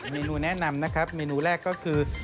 เมนูแนะนำนะครับเมนูแรกก็คือ